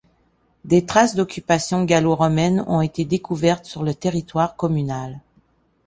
Des traces d'occupation gallo-romaine ont été découvertes sur le territoire communal.